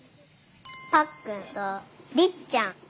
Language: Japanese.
ぱっくんとりっちゃん。